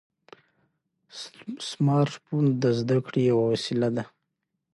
سمارټ فون د زده کړې یوه وسیله ده.